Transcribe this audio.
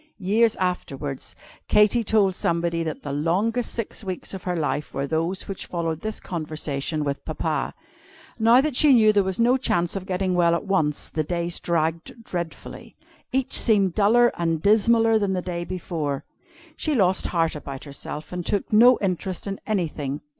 Years afterwards, Katy told somebody that the longest six weeks of her life were those which followed this conversation with Papa. Now that she knew there was no chance of getting well at once, the days dragged dreadfully. Each seemed duller and dismaller than the day before. She lost heart about herself, and took no interest in anything.